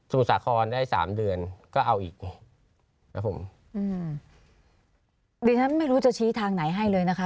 สาครได้สามเดือนก็เอาอีกไงครับผมอืมดิฉันไม่รู้จะชี้ทางไหนให้เลยนะคะ